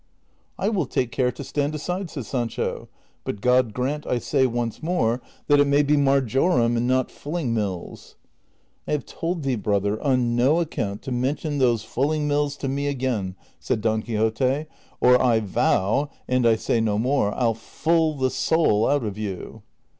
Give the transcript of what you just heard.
" I will take care to stand aside," said Sancho ;" but God grant, I say once more, that it may be marjoram and not full ing mills." •*" I have told thee, brother, on no accoimt to mention those fulling mills to me again," said Don Quixote, " or I vow — and I say no more — I '11 full the soul out of you."